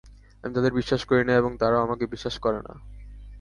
আমি তাদের বিশ্বাস করি না, এবং তারাও আমাকে বিশ্বাস করে না।